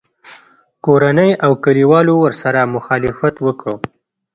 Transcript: کورنۍ او کلیوالو ورسره مخالفت وکړ